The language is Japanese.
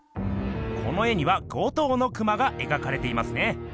この絵には５頭のクマが描かれていますね。